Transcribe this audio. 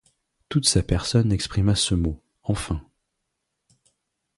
Toute sa personne exprima ce mot : Enfin !